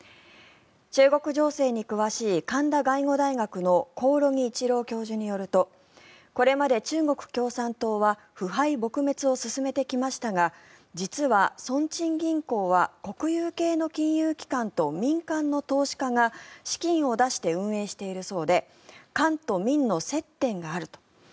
中国情勢に詳しい神田外語大学の興梠一郎教授によるとこれまで中国共産党は腐敗撲滅を進めてきましたが実は、村鎮銀行は国有系の金融機関と民間の投資家が資金を出して運営しているそうで官と民の接点があると。